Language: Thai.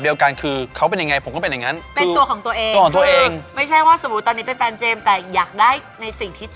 อยากได้ในสิ่งที่เจมส์ไม่มี